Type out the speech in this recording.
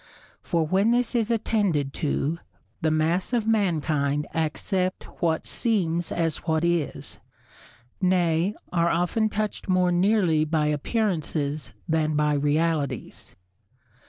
For when this is attended to, the mass of mankind accept what seems as what is; nay, are often touched more nearly by appearances than by realities.